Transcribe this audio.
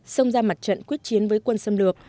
xông ra mặt trận quyết chiến với quân xâm lược